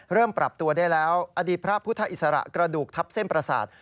ปรับตัวได้แล้วอดีตพระพุทธอิสระกระดูกทับเส้นประสาท